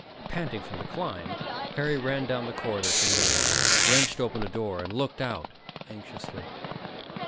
Panting from the climb, Harry ran down the corridor to the end, wrenched open a door, and looked out anxiously.